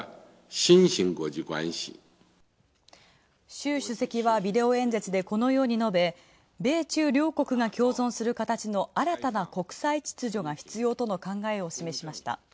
習主席はビデオ演説でこのように述べ米中両国が共存する形の新たな国際秩序が必要との考えを示しました。